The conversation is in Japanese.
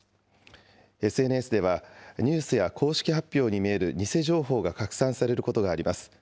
ＳＮＳでは、ニュースや公式発表に見える偽情報が拡散されることがあります。